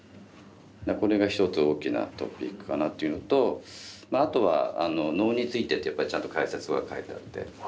だからこれが一つ大きなトピックかなっていうのとまああとは能についてってやっぱりちゃんと解説は書いてあって。